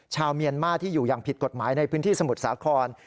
ชาวเมียนมาที่อยู่อย่างผิดกฎหมายในพื้นที่สมุทรสาคร